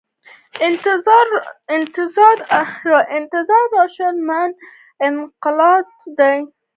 انتظار اشد من القتل دی